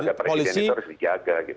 lembaga presiden itu harus dijaga gitu